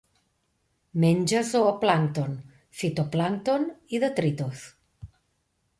Menja zooplàncton, fitoplàncton i detritus.